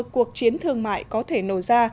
cuộc chiến thương mại có thể nổ ra